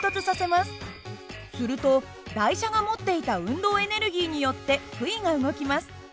すると台車が持っていた運動エネルギーによって杭が動きます。